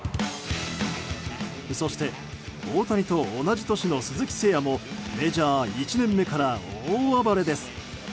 そして、大谷と同じ年の鈴木誠也もメジャー１年目から大暴れです。